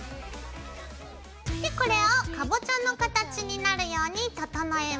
でこれをかぼちゃの形になるように整えます。